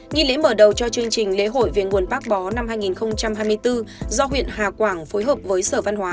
nghi lễ mở đầu cho chương trình lễ hội về nguồn bác bó năm hai nghìn hai mươi bốn do huyện hà quảng phối hợp với sở văn hóa